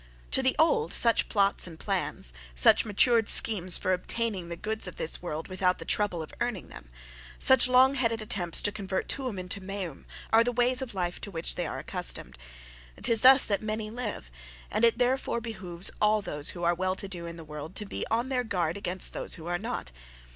To the old such plots and plans, such matured schemes for obtaining the goods of this world without the trouble of earning them, such long headed attempts to convert 'tuum' into 'meum' are the ways of life to which they are accustomed. 'Tis thus that many live, and it therefore behoves all those who are well to do in the world be on their guard against those who are not.